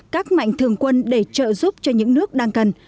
các mạnh thường quân để trợ giúp cho những nước đang cần